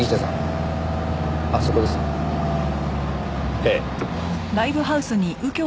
ええ。